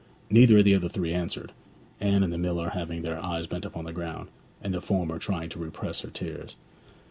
Neither of the other three answered, Anne and the miller having their eyes bent upon the ground, and the former trying to repress her tears.